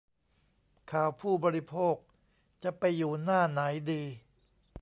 ข่าวผู้บริโภค จะไปอยู่หน้าไหนดี ?